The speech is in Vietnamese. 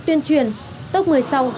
tuyên truyền tốc người sau